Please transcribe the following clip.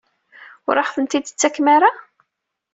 Ur aɣ-ten-id-tettakem ara?